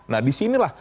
nah di sinilah